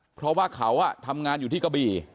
เพราะว่าเขาทำงานอยู่ที่กะบี่